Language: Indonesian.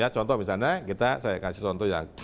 contoh misalnya saya kasih contoh yang